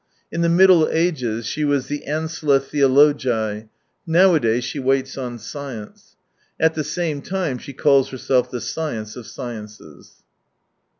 In the Middle Ages she was the ancilla theologize, nowadays she waits on science. At the same time she calls herself the science of sciences.